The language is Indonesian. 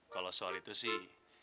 kalau soal itu sih